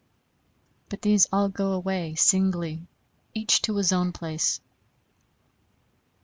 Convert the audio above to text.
But these all go away singly, each to his own place.